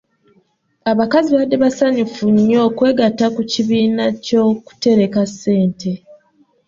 Abakazi baabadde basanyufu nnyo okwegatta ku kibiina ky'okutereka ssente.